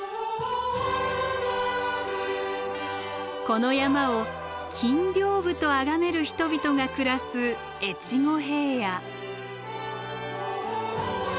この山を金屏風と崇める人々が暮らす越後平野。